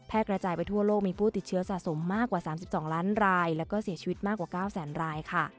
กระจายไปทั่วโลกมีผู้ติดเชื้อสะสมมากกว่า๓๒ล้านรายแล้วก็เสียชีวิตมากกว่า๙แสนรายค่ะ